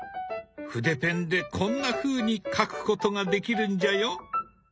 筆ペンでこんなふうに描くことができるんじゃよ。